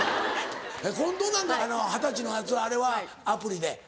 近藤なんかあの二十歳のやつあれはアプリで？